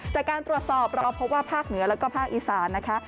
จากการตรวจสอบเราพบว่าภาคเหนือแล้วก็ภาคอีสานนะคะ